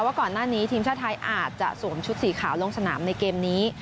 ว่าก่อนหน้านี้ทีมชาติไทยอาจจะสวมชุดสีขาวลงสนามในเกมนี้